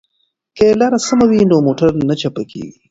که لار سمه وي نو موټر نه چپه کیږي.